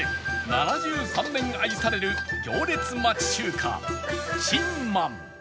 ７３年愛される行列町中華珍満